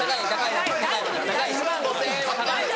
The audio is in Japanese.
１万５０００円は高い。